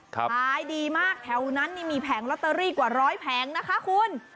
ขายดีมากแถวนั้นนี่มีแผงลอตเตอรี่กว่าร้อยแผงนะคะคุณ